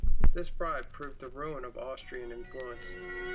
This bribe proved the ruin ot Austrian influence.